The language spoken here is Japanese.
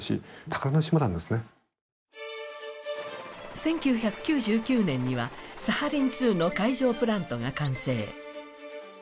１９９９年にはサハリン２の海上プラントが完成。